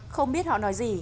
không biết họ nói gì